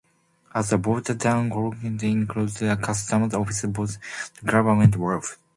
As a border town Coolangatta included a customs office, boatshed and government wharf.